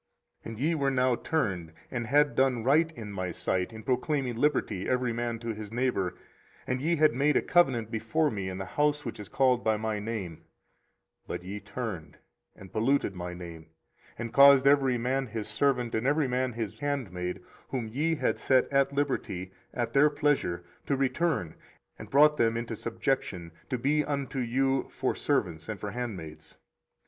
24:034:015 And ye were now turned, and had done right in my sight, in proclaiming liberty every man to his neighbour; and ye had made a covenant before me in the house which is called by my name: 24:034:016 But ye turned and polluted my name, and caused every man his servant, and every man his handmaid, whom he had set at liberty at their pleasure, to return, and brought them into subjection, to be unto you for servants and for handmaids.